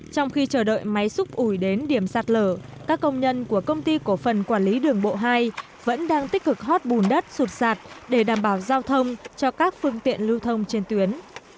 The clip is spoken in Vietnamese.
trong khi chờ đợi máy xúc ủi đến điểm sạt lở các công nhân của công ty cổ phần quản lý đường bộ hai vẫn đang tích cực hót bùn đất sụt sạt để đảm bảo giao thông cho các phương tiện lưu thông trên tuyến